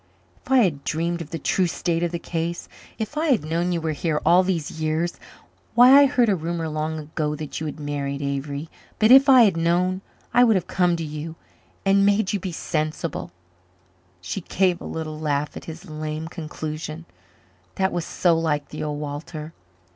If I had dreamed of the true state of the case if I had known you were here all these years why I heard a rumor long ago that you had married, Avery but if I had known I would have come to you and made you be sensible." She gave a little laugh at his lame conclusion. That was so like the old Walter.